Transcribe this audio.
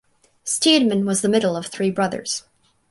Steedman was the middle of three brothers.